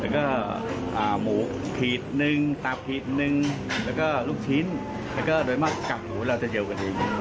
แล้วก็หมูตับลูกชิ้นโดยมากกับหมูเราจะเยี่ยวกันดี